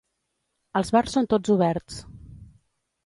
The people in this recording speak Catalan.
Els bars són tots oberts.